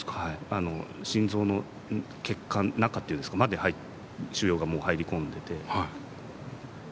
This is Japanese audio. あの心臓の血管中っていうんですかまで、腫瘍がもう入り込んでて。